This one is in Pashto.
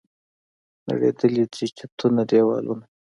نړېدلي دي چتونه، دیوالونه